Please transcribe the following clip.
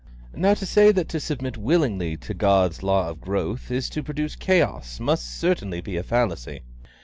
Now to say that to submit willingly to God's law of growth is to produce chaos must certainly be a fallacy.